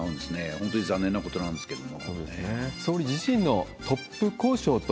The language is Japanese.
本当に残念なことなんですけども。